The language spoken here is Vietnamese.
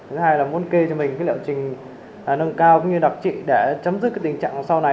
thứ hai là muốn kê cho mình cái liệu trình nâng cao cũng như đặc trị để chấm dứt cái tình trạng sau này